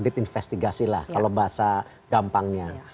nah itu juga investigasi lah kalau bahasa gampangnya